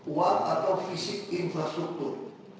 uang atau fisik infrastruktur